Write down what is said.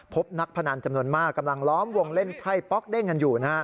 พบนักพนันจำนวนมากกำลังล้อมวงเล่นไพ่ป๊อกเด้งกันอยู่